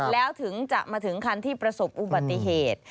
แล้วถึงจะมาถึงคันที่ประสบอุบัติเหตุ